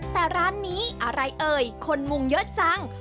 แต่ร้านนี้อะไรเอ่ยคนมุงเยอะจัง